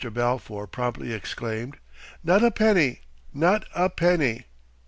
Balfour promptly exclaimed: "Not a penny, not a penny!"